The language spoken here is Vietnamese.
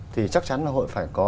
thì chắc chắn là hội phải có